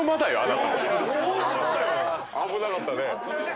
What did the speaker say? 危なかったね。